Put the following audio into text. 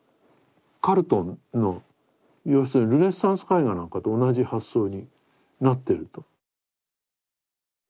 カルトンの要するにルネサンス絵画なんかと同じ発想になってると。